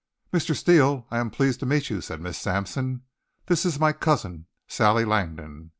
"Mr. Steele, I'm pleased to meet you," said Miss Sampson. "This is my cousin, Sally Langdon.